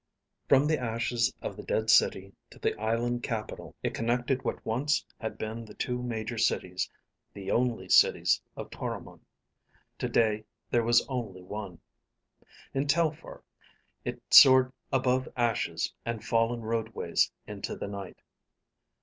From the ashes of the dead city to the island capital, it connected what once had been the two major cities, the only cities of Toromon. Today there was only one. In Telphar, it soared above ashes and fallen roadways into the night.